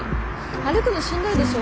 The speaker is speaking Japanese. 歩くのしんどいでしょ。